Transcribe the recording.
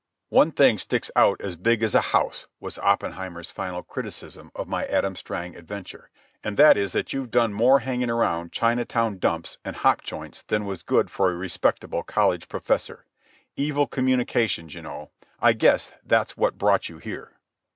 "One thing sticks out as big as a house," was Oppenheimer's final criticism of my Adam Strang adventure. "And that is that you've done more hanging around Chinatown dumps and hop joints than was good for a respectable college professor. Evil communications, you know. I guess that's what brought you here."